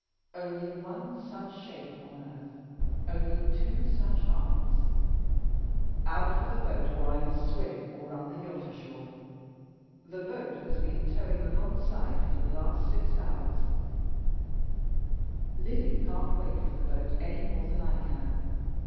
Only one such shape on earth only two such arms out with the boat or I must swim, or run the yacht ashore. The boat has been towing alongside for the last six hours: Lily can't wait for the boat any more than I can.